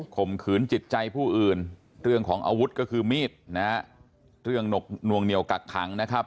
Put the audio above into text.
ข่มขืนจิตใจผู้อื่นเรื่องของอาวุธก็คือมีดนะฮะเรื่องนวงเหนียวกักขังนะครับ